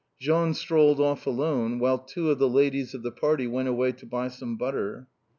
Jean strolled off alone, while two of the ladies of the party went away to buy some butter.